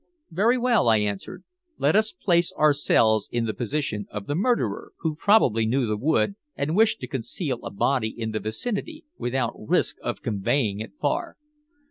"Very well," I answered. "Let us place ourselves in the position of the murderer, who probably knew the wood and wished to conceal a body in the vicinity without risk of conveying it far.